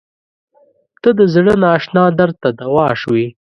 • ته د زړه نااشنا درد ته دوا شوې.